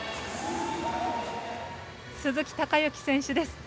鈴木孝幸選手です。